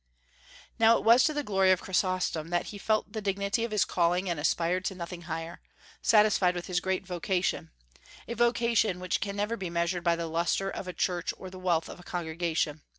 Now it was to the glory of Chrysostom that he felt the dignity of his calling and aspired to nothing higher, satisfied with his great vocation, a vocation which can never be measured by the lustre of a church or the wealth of a congregation.